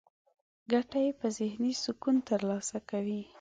ګټه يې په ذهني سکون ترلاسه کوي.